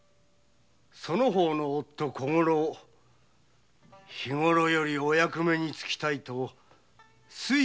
その方の夫・小五郎日ごろよりお役目に就きたいと推挙を願い出ておってな。